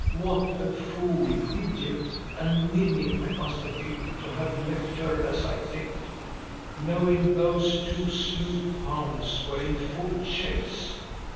What a fool, idiot, and ninny I must have been, to have left her as I did, knowing those two sleuth hounds were in full chase!